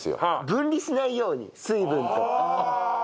分離しないように水分と。